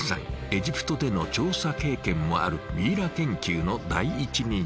エジプトでの調査経験もあるミイラ研究の第一人者。